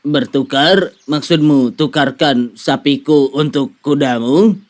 bertukar maksudmu tukarkan sapiku untuk kudamu